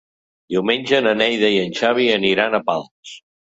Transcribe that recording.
Diumenge na Neida i en Xavi aniran a Pals.